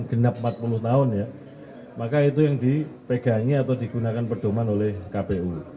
genap empat puluh tahun ya maka itu yang dipegangi atau digunakan perdoman oleh kpu